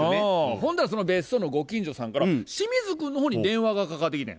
ほんならその別荘のご近所さんから清水君の方に電話がかかってきてん。